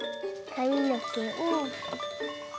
かみのけ。